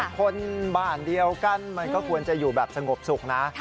คนบ้านเดียวกันมันก็ควรจะอยู่แบบสงบสุขนะ